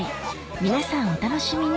皆さんお楽しみに